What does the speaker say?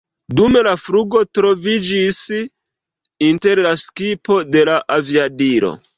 Dum la flugo troviĝis inter la skipo de la aviadilo.